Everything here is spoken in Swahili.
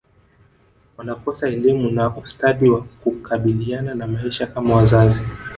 wanakosa elimu na ustadi wa kukabiliana na maisha kama wazazi